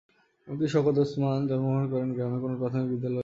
এমনকি শওকত যখন জন্মগ্রহণ করেন গ্রামে কোনো প্রাথমিক বিদ্যালয়ও ছিল না।